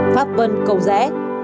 pháp vân cầu rẽ